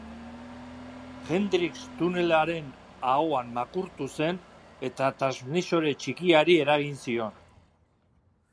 Hendricks tunelaren ahoan makurtu zen, eta transmisore txikiari eragin zion.